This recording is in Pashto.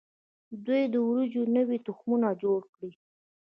دوی د وریجو نوي تخمونه جوړ کړي.